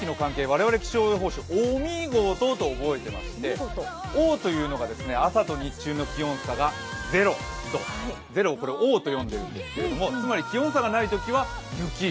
我々気象予報士は「おみごと」と覚えていまして、「お」というのが朝と日中の気温差が０、０を「お」と読んでいるんですが気温差がないときは雪。